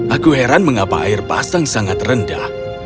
aku heran mengapa air pasang sangat rendah